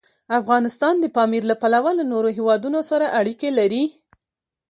افغانستان د پامیر له پلوه له نورو هېوادونو سره اړیکې لري.